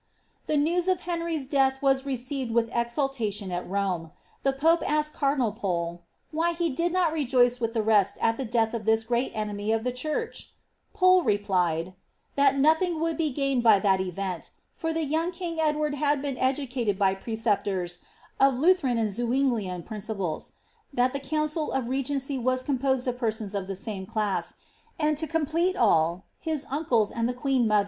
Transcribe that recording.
The news of Henry's death was received with exultation at Rome. The pope asked cardinal Pole ^ why he did not rejoice with the rest at the death of this great enemy of the church ?" Pole replied, ^^ that ■othing would be gained by that event, for the young king Edward had been educated by preceptors of Lutheran and Zuinglian principles ; that the council of regency was composed of persons of the same class ; 'Chapter House Royal MS.